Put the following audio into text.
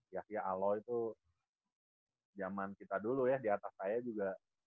yahya aloy itu jaman kita dulu ya di atas saya juga